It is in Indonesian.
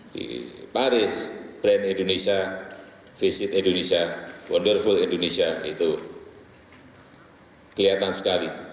di paris brand indonesia visit indonesia wonderful indonesia itu kelihatan sekali